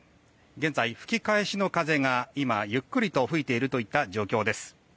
現在、吹き返しの風が今、ゆっくりと吹いているといった状況です。